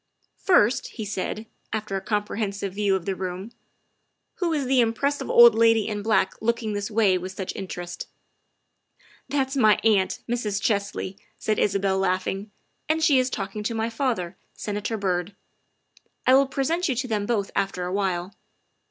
''" First," he said, after a comprehensive view of the room, " who is the impressive old lady in black looking this way with such interest?" " That is my aunt, Mrs. Chesley," said Isabel, laugh ing, '' and she is talking to my father, Senator Byrd ; I will present you to them both after awhile.